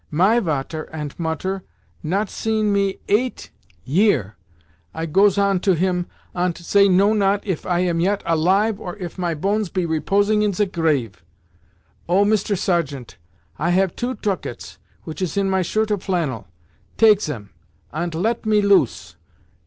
'My Vater ant Mutter not seen me eight year,' I goes on to him, 'ant zey know not if I am yet alive or if my bones be reposing in ze grave. Oh, Mister Sergeant, I have two tucats which is in my shirt of flannel. Take zem, ant let me loose!